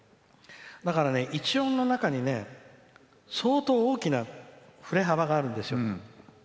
だから、１音の中に相当大きな振れ幅があるんですよ。